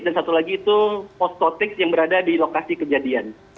dan satu lagi itu postotiks yang berada di lokasi kejadian